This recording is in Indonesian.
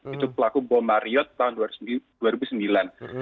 itu pelaku bom mariot tahun dua ribu sembilan